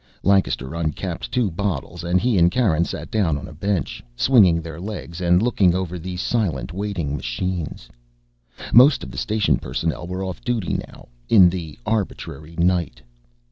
Lancaster uncapped two bottles, and he and Karen sat down on a bench, swinging their legs and looking over the silent, waiting machines. Most of the station personnel were off duty now, in the arbitrary "night."